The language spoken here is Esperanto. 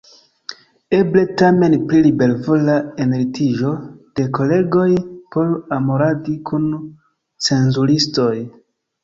Eble tamen pri libervola enlitiĝo de kolegoj por amoradi kun cenzuristoj.